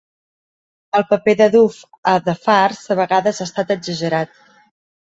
El paper de Duff a The Fartz de vegades ha estat exagerat.